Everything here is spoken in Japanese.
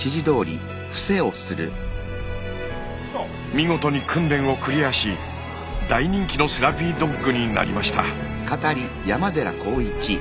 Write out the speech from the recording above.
見事に訓練をクリアし大人気のセラピードッグになりました。